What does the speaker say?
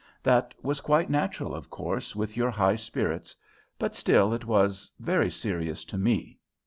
That was quite natural, of course, with your high spirits, but still it was very serious to me.